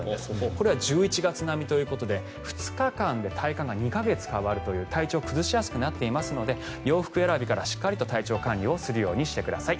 これは１１月並みということで２日間で体感が２か月変わるという体調崩しやすくなっていますので洋服選びからしっかりと体調管理をするようにしてください。